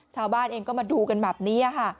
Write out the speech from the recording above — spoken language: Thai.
ชาวบ้านเองก็มาดูกันแบบนี้ค่ะ